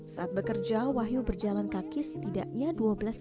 saat bekerja wahyu berjalan kaki setidaknya dua belas kilometer di bawah terik matahari